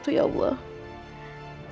terima kasih bu